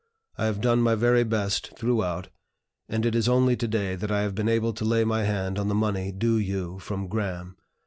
I have done my very best, throughout, and it is only to day that I have been able to lay my hand on the money due you from Graham.